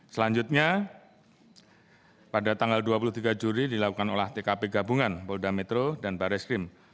selanjutnya pada tanggal dua puluh tiga juli dilakukan olah tkp gabungan polda metro dan baris krim